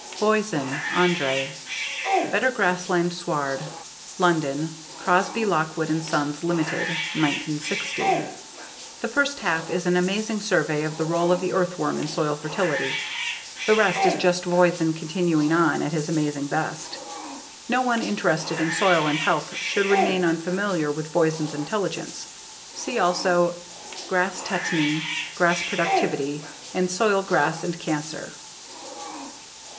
Voisin, Andre. _Better Grassland Sward. _London: Crosby Lockwood and Sons, Ltd., 1960. The first half is an amazing survey of the role of the earthworm in soil fertility. The rest is just Voisin continuing on at his amazing best. No one interested in soil and health should remain unfamiliar with Voisin's intelligence. See also: Grass Tetany, Grass Productivity, and _Soil, Grass and Cancer.